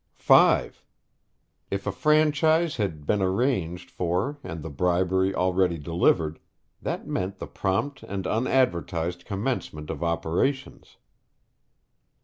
(5) If a franchise had been arranged for and the bribe already delivered, that meant the prompt and unadvertised commencement of operations.